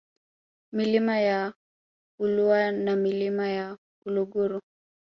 Milima ya Ulua na Milima ya Uluguru